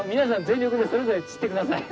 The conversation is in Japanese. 全力でそれぞれ散ってください。